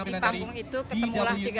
jadi itu mempersatukan kita juga